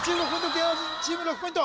芸能人チーム６ポイント